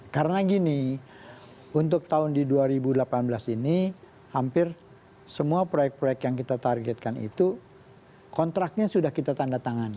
karena gini untuk tahun di dua ribu delapan belas ini hampir semua proyek proyek yang kita targetkan itu kontraknya sudah kita tanda tangan